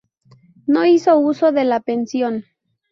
No hizo uso de la pensión.